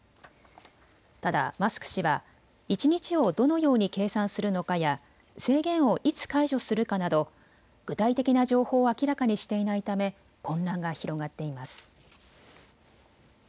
ただマスク氏は一日をどのように計算するのかや制限をいつ解除するかなど具体的な情報を明らかにしていないため混乱が広がっています。